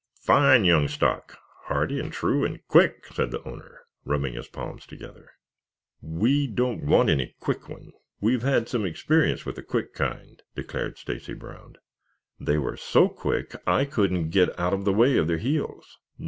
"Fine young stock, hardy and true and quick," said the owner, rubbing his palms together. "We don't want any quick one. We've had some experience with the quick kind," declared Stacy Brown. "They were so quick I couldn't get out of the way of their heels.